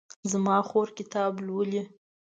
زما خور کتاب لولي